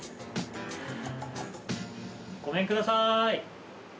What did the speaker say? ごめんください。